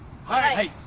はい